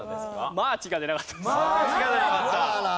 マーチが出なかった。